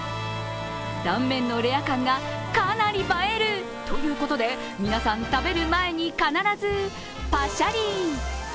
断面のレア感がかなり映えるということで皆さん、食べる前に必ずパシャリ。